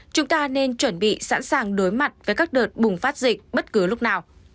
chúng ta nên chuẩn bị sẵn sàng đối mặt với các đợt bùng phát dịch bất cứ lúc nào